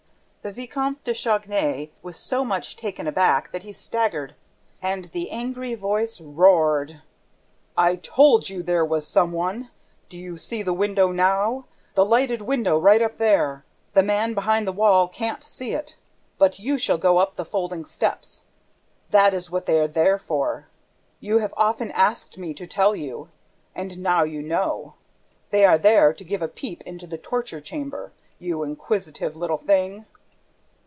The Vicomte de Chagny was so much taken aback that he staggered. And the angry voice roared: "I told you there was some one! Do you see the window now? The lighted window, right up there? The man behind the wall can't see it! But you shall go up the folding steps: that is what they are there for! ... You have often asked me to tell you; and now you know! ... They are there to give a peep into the torture chamber ... you inquisitive little thing!"